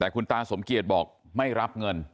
แต่คุณตาสมเกียจบอกไม่รับเงิน